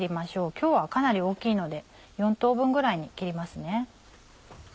今日はかなり大きいので４等分ぐらいに切りますね。